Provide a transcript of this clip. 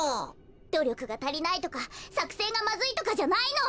どりょくがたりないとかさくせんがまずいとかじゃないの。